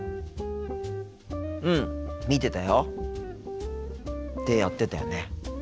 うん見てたよ。ってやってたよね。